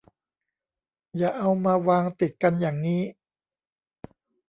อย่าเอามาวางติดกันอย่างงี้